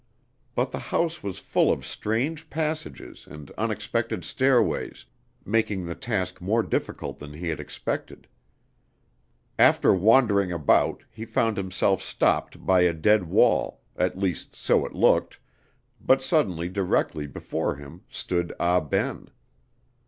But the house was full of strange passages and unexpected stairways, making the task more difficult than he had expected. After wandering about he found himself stopped by a dead wall, at least so it had looked, but suddenly directly before him stood Ah Ben.